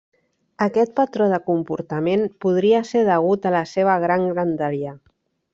Aquest patró de comportament podria ser degut a la seva gran grandària.